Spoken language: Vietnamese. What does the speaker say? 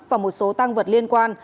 và một số tăng vật liên quan